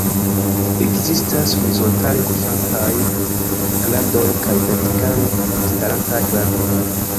Ekzistas horizontale kuŝantaj kradoj kaj vertikale starantaj kradoj.